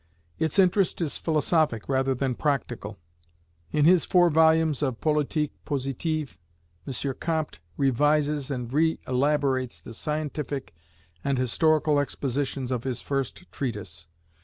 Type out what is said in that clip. Its interest is philosophic rather than practical. In his four volumes of "Politique Positive," M. Comte revises and reelaborates the scientific and historical expositions of his first treatise.